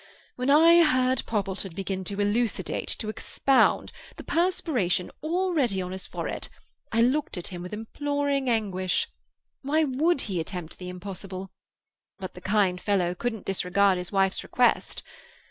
When I heard Poppleton begin to elucidate, to expound, the perspiration already on his forehead, I looked at him with imploring anguish. Why would he attempt the impossible? But the kind fellow couldn't disregard his wife's request.